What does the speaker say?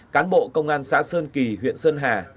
cán bộ công an xã sơn kỳ huyện sơn hà